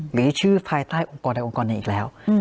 หรือชื่อภายใต้องค์กรใดองค์กรหนึ่งอีกแล้ว